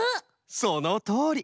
そのとおり！